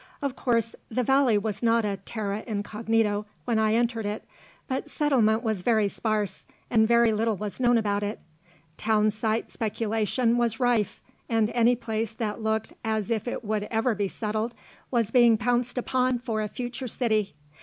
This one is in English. Of course, the valley was not a terra incognito when I entered it, but settlement was very sparse, and very little was known about it. Town site speculation was rife, and any place that looked as if it would ever be settled was being pounced upon for a future city.